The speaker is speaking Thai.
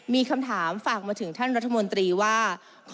มีคำถามฝากมาถึงท่านรัฐมนตรีว่า